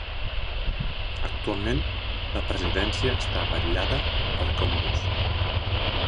Actualment, la presidència està vetllada per Comoros.